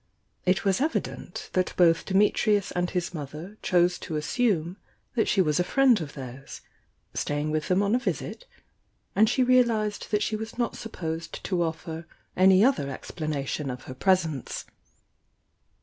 It was evident that both Dimitrius and his mother chose to assume that she was a friend of theirs, staying with them on a visit, and she realised that she was not supposed to offer any other explanation of her presence.